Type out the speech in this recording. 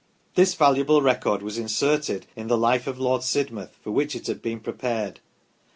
This valuable record was inserted in " The Life of Lord Sidmouth," for which it had been prepared.